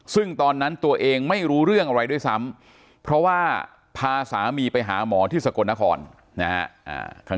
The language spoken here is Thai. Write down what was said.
ซึ่งตอนนั้นตัวเองไม่รู้เรื่องอะไรด้วยซ้ำเพราะว่าพาสามีไปหาหมอที่สกลนครนะฮะ